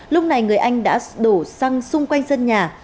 lúc này người anh đã đổ xăng xung quanh sân nhà